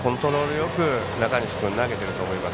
よく中西君、投げてると思います。